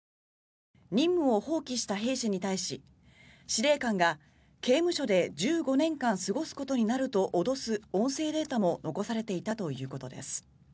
任務を放棄した兵士に対し司令官が刑務所で１５年間過ごすことになると脅す音声データも残されていたということです。